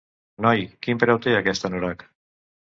Noi, quin preu té aquest anorac?